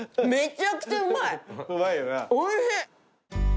おいしい！